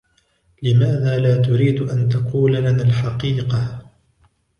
لماذا لا تريد أن تقول لنا الحقيقة ؟